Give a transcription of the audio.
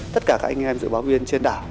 tất cả các anh em dự báo viên trên đảo